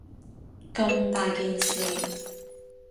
咁大件事